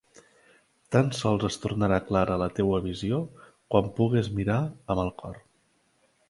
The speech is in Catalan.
Tan sols es tornarà clara la teua visió quan pugues mirar amb el cor.